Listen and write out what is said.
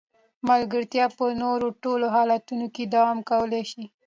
ملګرتیا په نورو ټولو حالتونو کې دوام کولای شي.